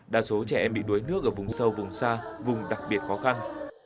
đa số trẻ em bị đuối nước ở vùng sâu vùng xa vùng đặc biệt khó khăn